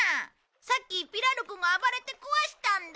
さっきピラルクが暴れて壊したんだ。